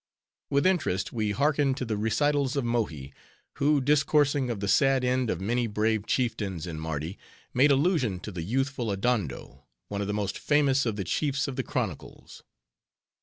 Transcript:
With interest we hearkened to the recitals of Mohi; who discoursing of the sad end of many brave chieftains in Mardi, made allusion to the youthful Adondo, one of the most famous of the chiefs of the chronicles.